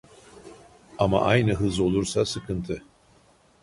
Ama aynı hız olursa sıkıntı